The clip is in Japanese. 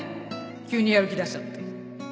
急にやる気出しちゃって